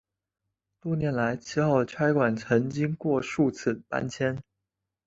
多年来七号差馆曾经过数次搬迁。